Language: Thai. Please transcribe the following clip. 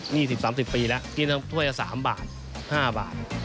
๒๐๓๐ปีแล้วกินทั้งท่วย๓บาท๕บาท